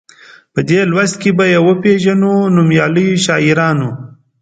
په دې لوست کې به یې وپيژنو نومیالیو شاعرانو.